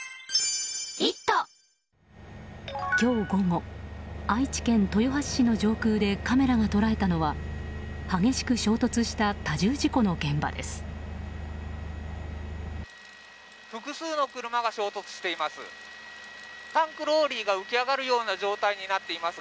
今日午後愛知県豊橋市の上空でカメラが捉えたのは激しく衝突した複数の車が衝突しています。